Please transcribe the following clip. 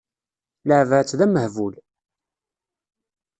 Leεbeɣ-tt d amehbul.